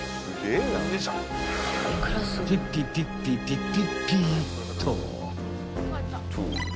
［ピッピピッピピピピッと］